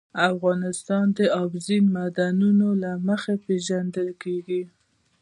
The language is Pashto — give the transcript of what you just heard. افغانستان د اوبزین معدنونه له مخې پېژندل کېږي.